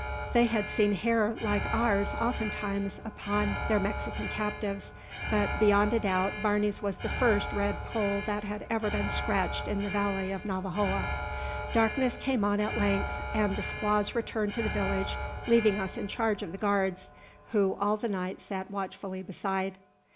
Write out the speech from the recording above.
They had seen hair like ours oftentimes upon their Mexican captives; but, beyond a doubt, Barney's was the first red poll that had ever been scratched in the valley of Navajoa. Darkness came on at length, and the squaws returned to the village, leaving us in charge of the guards, who all the night sat watchfully beside.